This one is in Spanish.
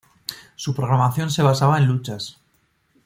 Su programación se basaba en luchas.